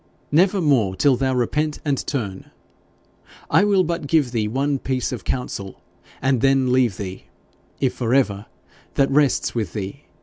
'Never more till thou repent and turn. I will but give thee one piece of counsel, and then leave thee if for ever, that rests with thee.